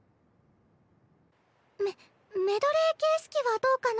メメドレー形式はどうかな？